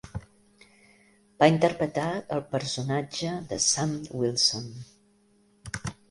Va interpretar el personatge de Sam Wilson.